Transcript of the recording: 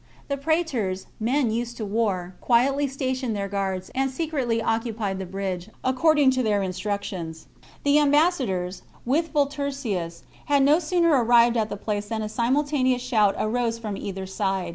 The praetors, men used to war, quietly sta tioned their guards, and secretly occupied the bridge, according to their instructions. The ambassadors, with Volturcius, had no sooner arrived at the place than a simultaneous shout arose from either side.